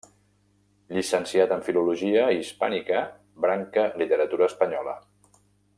Llicenciat en filologia hispànica, branca literatura espanyola.